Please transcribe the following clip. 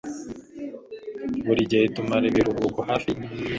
Buri gihe tumara ibiruhuko hafi yinyanja